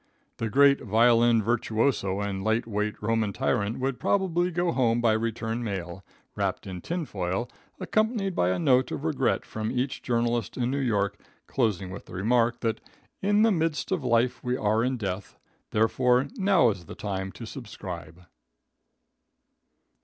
The great violin virtuoso and light weight Roman tyrant would probably go home by return mail, wrapped in tinfoil, accompanied by a note of regret from each journalist in New York, closing with the remark, that "in the midst of life we are in death, therefore now is the time to subscribe."